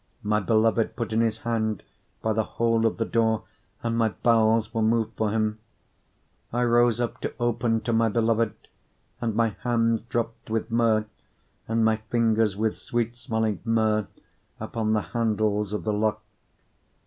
5:4 My beloved put in his hand by the hole of the door, and my bowels were moved for him. 5:5 I rose up to open to my beloved; and my hands dropped with myrrh, and my fingers with sweet smelling myrrh, upon the handles of the lock.